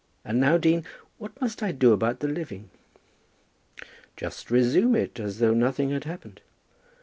And now, dean, what must I do about the living?" "Just resume it, as though nothing had happened."